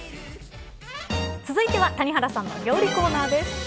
続いては谷原さんの料理コーナーです。